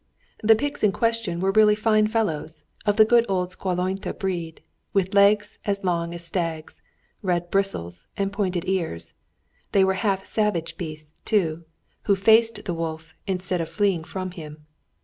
The pigs in question were really fine fellows of the good old Szalonta breed, with legs as long as stags', red bristles and pointed ears; they were half savage beasts, too, who faced the wolf instead of fleeing from him.